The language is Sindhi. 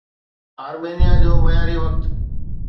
آرمينيا جو معياري وقت